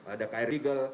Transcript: ada kri regal